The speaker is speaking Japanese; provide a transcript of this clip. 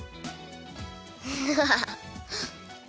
ハハハハ。